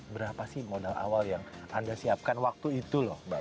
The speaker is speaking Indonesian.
berapa sih modal awal yang anda siapkan waktu itu